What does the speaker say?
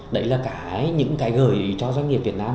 đấy là cả những cái gợi cho doanh nghiệp việt nam